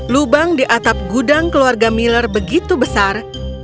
lubang di atap gudang keluarga miller begitu besar